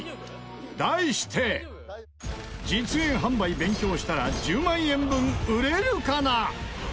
題して実演販売勉強したら１０万円分売れるかな